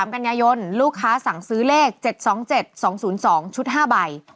กันยายนลูกค้าสั่งซื้อเลข๗๒๗๒๐๒ชุด๕ใบ